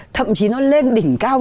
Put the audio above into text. thậm chí nó lên đỉnh cao